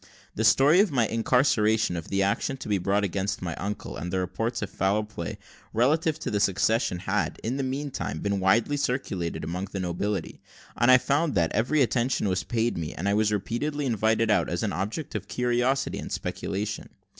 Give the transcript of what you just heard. The story of my incarceration, of the action to be brought against my uncle, and the reports of foul play, relative to the succession, had, in the meantime, been widely circulated among the nobility; and I found that, every attention was paid me, and I was repeatedly invited out as an object of curiosity and speculation.